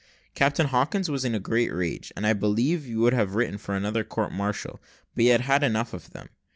Captain Hawkins was in a great rage, and I believe would have written for another court martial, but he had had enough of them.